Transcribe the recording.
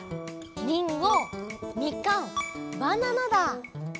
「りんご」「みかん」「ばなな」だ。